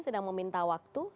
sedang meminta waktu